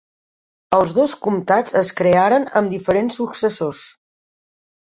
Els dos comtats es crearen amb diferents successors.